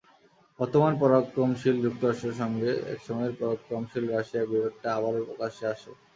বর্তমান পরাক্রমশীল যুক্তরাষ্ট্রের সঙ্গে একসময়ের পরাক্রমশীল রাশিয়ার বিরোধটা আবারও প্রকাশ্যে আসে।